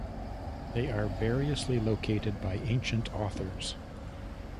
They are variously located by ancient authors.